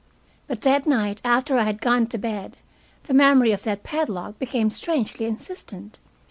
But that night, after I had gone to bed, the memory of that padlock became strangely insistent.